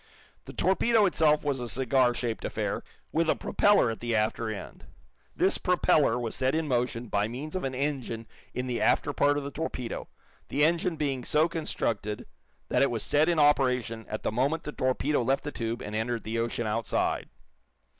The torpedo itself was a cigar shaped affair, with a propeller at the after end. This propeller was set in motion by means of an engine in the after part of the torpedo, the engine being so constructed that it was set in operation at the moment the torpedo left the tube and entered the ocean outside.